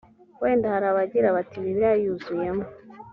wenda hari abagira bati bibiliya yuzuyemo